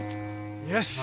よし。